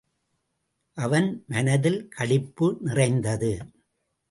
அவன் மனத்தில் களிப்பு நிறைந்தது.